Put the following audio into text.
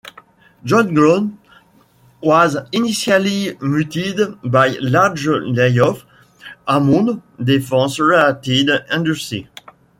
Job growth was initially muted by large layoffs among defense related industries.